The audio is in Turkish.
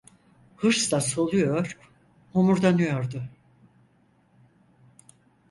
Hırsla soluyor, homurdanıyordu.